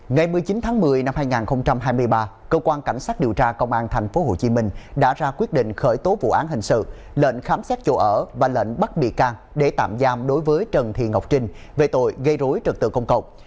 ngày một mươi chín tháng một mươi năm hai nghìn hai mươi ba cơ quan cảnh sát điều tra công an tp hcm đã ra quyết định khởi tố vụ án hình sự lệnh khám xét chỗ ở và lệnh bắt bị can để tạm giam đối với trần thị ngọc trinh về tội gây rối trật tự công cộng